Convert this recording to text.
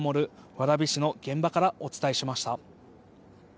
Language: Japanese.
蕨市の現場からお伝えしました。